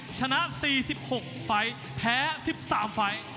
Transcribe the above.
ชนะ๔๖ไฟล์แพ้๑๓ไฟล์